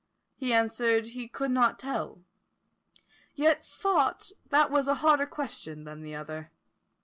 He answered he could not tell. Yet thought that was a harder question than the other.